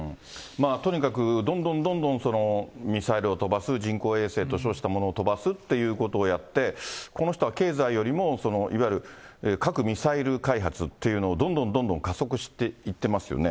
とにかくどんどんどんどん、ミサイルを飛ばす、人工衛星と称したものを飛ばすということをやって、この人は経済よりも、いわゆる核・ミサイル開発というのをどんどんどんどん加速していってますよね。